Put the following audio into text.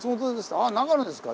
「ああ長野ですか」